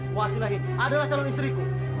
kuasir lagi adalah calon istriku